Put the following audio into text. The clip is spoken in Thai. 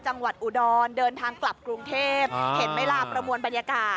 จังหวัดอุดรเดินทางกลับกรุงเทพเห็นไหมล่ะประมวลบรรยากาศ